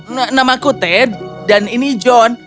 nama aku ted dan ini john